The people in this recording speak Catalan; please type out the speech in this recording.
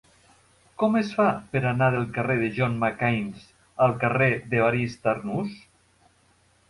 Com es fa per anar del carrer de John M. Keynes al carrer d'Evarist Arnús?